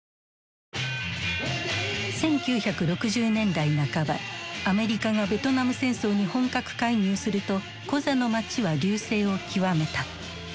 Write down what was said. １９６０年代半ばアメリカがベトナム戦争に本格介入するとコザの街は隆盛を極めた。